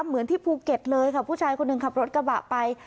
เหมือนที่ภูเก็ตเลยค่ะผู้ชายคนหนึ่งขับรถกระบะไป